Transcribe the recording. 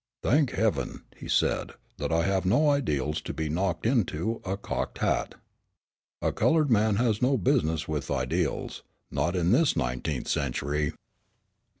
"Thank heaven," he said, "that I have no ideals to be knocked into a cocked hat. A colored man has no business with ideals not in this nineteenth century!"